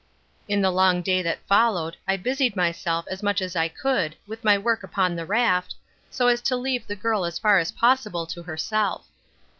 In the long day that followed, I busied myself as much as I could with my work upon the raft, so as to leave the girl as far as possible to herself.